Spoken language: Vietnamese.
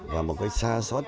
và một cái xa xót